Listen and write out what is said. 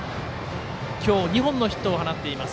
今日２本のヒットを放っています。